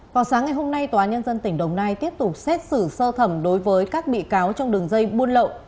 vào sáng ngày hôm nay tòa nhân dân tỉnh đồng nai tiếp tục xét xử sơ thẩm đối với các bị cáo trong đường dây buôn lậu